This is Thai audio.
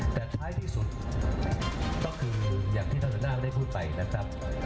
แต่ท้ายที่สุดก็คืออย่างที่ท่านชนะได้พูดไปนะครับ